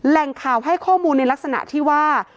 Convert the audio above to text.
แหล่งข่าวให้ข้อมูลในลักษณะที่ว่า